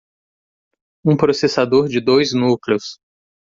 Um processador de dois núcleos.